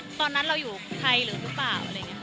ว่าตอนนั้นเราอยู่ไทยหรือเปล่า